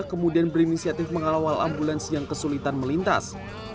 kemudian berinisiatif mengawal ambulans yang kesulitan melintas